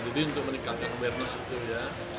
jadi untuk meningkatkan awareness itu ya